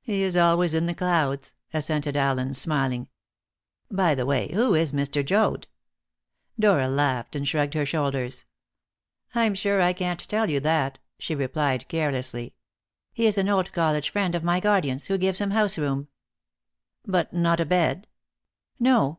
"He is always in the clouds," assented Allen, smiling. "By the way, who is Mr. Joad?" Dora laughed and shrugged her shoulders. "I'm sure I can't tell you that," she replied carelessly; "he is an old college friend of my guardian's, who gives him house room." "But not a bed?" "No.